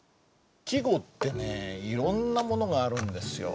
季語ってねいろんなものがあるんですよ。